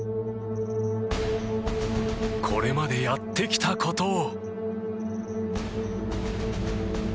これまでやってきたことを。